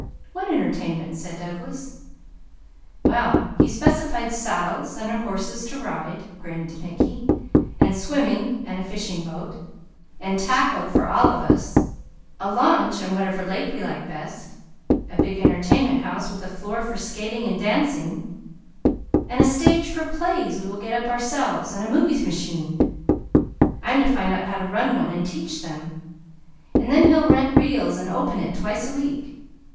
"What entertainment?" said Douglas. "Well he specified saddles and horses to ride," grinned Mickey, "and swimming, and a fishing boat and tackle for all of us, a launch on whatever lake we like best, a big entertainment house with a floor for skating and dancing, and a stage for plays we will get up ourselves, and a movie machine. I'm to find out how to run one and teach them, and then he'll rent reels and open it twice a week.